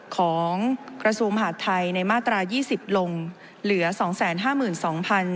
ของกระทรูปมหาดไทยในมาตรายี่สิบลงเหลือสองแสนห้าหมื่นสองพัน